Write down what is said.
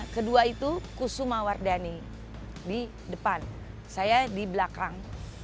kedua itu kusuma wardani di depan saya di belakang